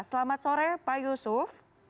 selamat sore pak yusuf